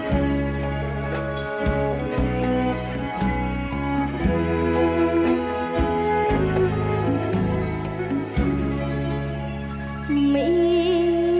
มีหนุ่มเจ้ากรุง